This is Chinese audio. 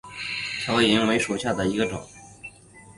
拟纹萤为萤科熠萤属下的一个种。